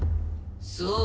そう。